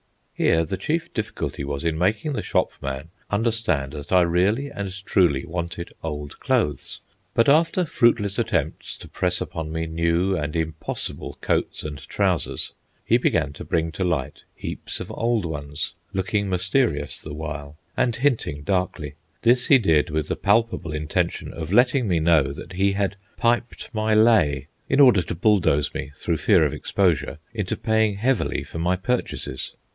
Here the chief difficulty was in making the shopman understand that I really and truly wanted old clothes. But after fruitless attempts to press upon me new and impossible coats and trousers, he began to bring to light heaps of old ones, looking mysterious the while and hinting darkly. This he did with the palpable intention of letting me know that he had "piped my lay," in order to bulldose me, through fear of exposure, into paying heavily for my purchases.